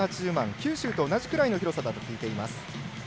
九州と同じような広さだと聞いています。